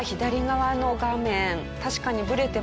確かにブレてますね。